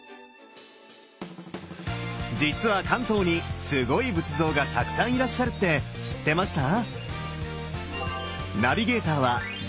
実は関東にすごい仏像がたくさんいらっしゃるって知ってました？